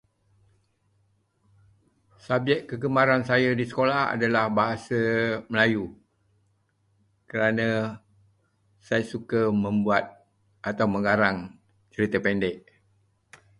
Subjek kegemaran saya di sekolah adalah bahasa Melayu, kerana saya suka membuat atau mengarang cerita pendek.